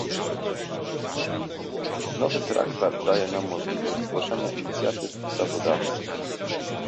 Nowy traktat daje nam możliwość zgłaszania inicjatyw ustawodawczych